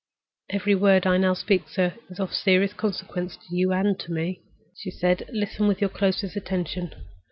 "Every word I now speak, sir, is of serious consequence to you and to me," she said. "Listen with your closest attention.